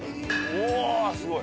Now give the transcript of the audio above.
おおすごい！